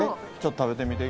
食べてみてよ